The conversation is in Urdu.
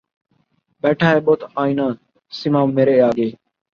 بیٹھا ہے بت آئنہ سیما مرے آگے